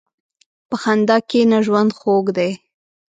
په خندا کښېنه، ژوند خوږ دی.